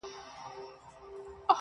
نو زنده گي څه كوي,